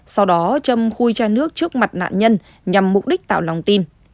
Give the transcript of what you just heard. sau đó trâm khui chai nước trước mặt nạn nhân nhằm mục đích tạo lòng tin